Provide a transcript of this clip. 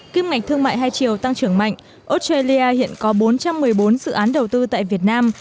kim ngạch thương mại hai chiều tăng trưởng mạnh australia hiện có bốn trăm một mươi bốn dự án đầu tư tại việt nam